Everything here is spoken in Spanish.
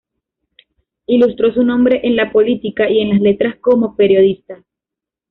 Ilustró su nombre en la política y en las letras como periodista.